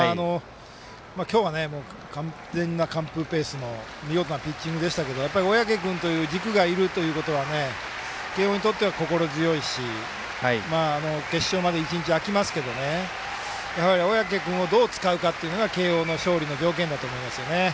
今日は完全な完封ペースの見事なピッチングでしたけどやっぱり、小宅君という軸がいるということは慶応にとっては心強いし決勝まで１日空きますけど小宅君をどう使うかというのが慶応の勝利の条件だと思いますよね。